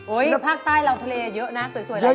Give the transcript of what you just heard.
โอ๊ยภาคใต้เราทะเลเยอะนะสวยหลายที่